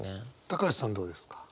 橋さんどうですか？